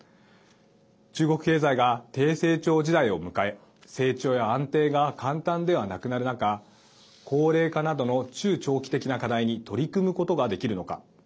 中国経済が低成長時代を迎え成長や安定が簡単ではなくなる中高齢化などの中長期的な課題に取り組むことができるのか。